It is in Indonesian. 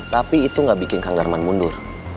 tapi itu gak bikin kang garman mundur